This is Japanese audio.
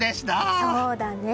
そうだね。